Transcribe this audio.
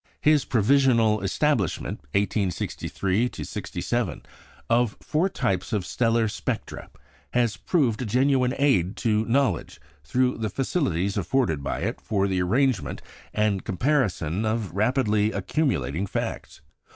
His provisional establishment (1863 67) of four types of stellar spectra has proved a genuine aid to knowledge through the facilities afforded by it for the arrangement and comparison of rapidly accumulating facts.